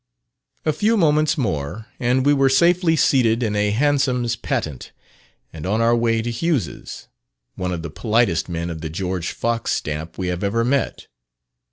A few moments more, and we were safely seated in a "Hansom's Patent," and on our way to Hughes's one of the politest men of the George Fox stamp we have ever met.